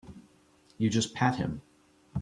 You just pat him.